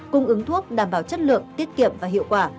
cung ứng thuốc đảm bảo chất lượng tiết kiệm và hiệu quả